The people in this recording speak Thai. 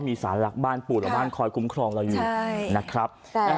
มีสารหลักบ้านปู่และบ้านคอยคุ้มครองเราอยู่นะครับ